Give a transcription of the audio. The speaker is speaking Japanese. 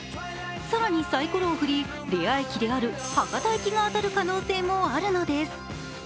更にサイコロを振り、レア駅である博多駅が当たる可能性もあるのです。